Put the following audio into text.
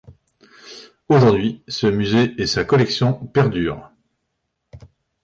Aujourd'hui ce musée et sa collection perdurent.